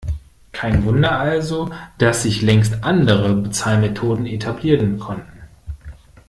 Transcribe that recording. Kein Wunder also, dass sich längst andere Bezahlmethoden etablieren konnten.